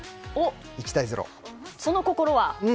その心は？